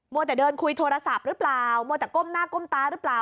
วัวแต่เดินคุยโทรศัพท์หรือเปล่ามัวแต่ก้มหน้าก้มตาหรือเปล่า